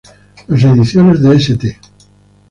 Las ediciones de St.